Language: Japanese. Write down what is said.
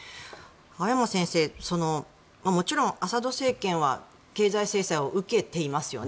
青山先生、もちろんアサド政権は経済制裁を受けていますよね。